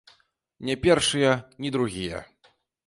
Не першыя, ні другія.